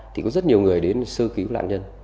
thì có rất nhiều người đến sơ cứu nạn nhân